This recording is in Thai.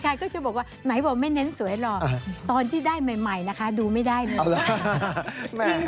ก็จะบอกว่าไหนบอกไม่เน้นสวยหรอกตอนที่ได้ใหม่นะคะดูไม่ได้เลย